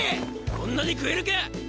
こんなに食えるか！